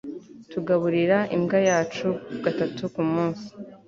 tugaburira imbwa yacu gatatu kumunsi